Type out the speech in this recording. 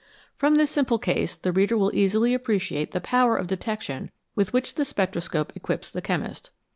From this simple case the reader will easily appreciate the power of detection with which the spectroscope equips the chemist.